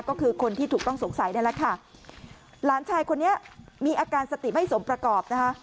ก็คือคนที่ถูกต้องสงสัยนั่นแหละค่ะหลานชายคนนี้มีอาการสติไม่สมประกอบนะคะ